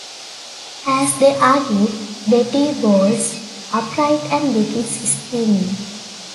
As they argue, Betty bolts upright and begins screaming.